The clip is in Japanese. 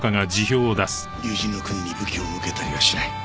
友人の国に武器を向けたりはしない。